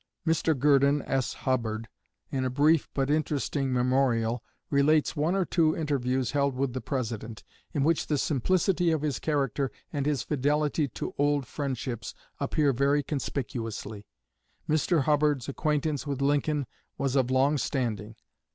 Mr. Gurdon S. Hubbard, in a brief but interesting memorial, relates one or two interviews held with the President, in which the simplicity of his character and his fidelity to old friendships appear very conspicuously. Mr. Hubbard's acquaintance with Lincoln was of long standing.